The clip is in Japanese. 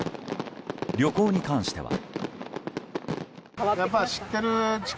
旅行に関しては。